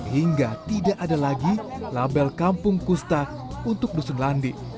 hingga tidak ada lagi label kampung kusta untuk dusun landi